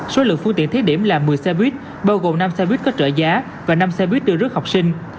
số lượng phương tiện thiết điểm là một mươi xe buýt bao gồm năm xe buýt có trợ giá và năm xe buýt đưa rước học sinh